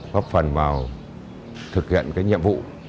góp phần vào thực hiện cái nhiệm vụ